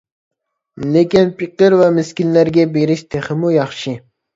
لېكىن پېقىر ۋە مىسكىنلەرگە بېرىش تېخىمۇ ياخشى.